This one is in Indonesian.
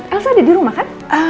elsa ada di rumah kan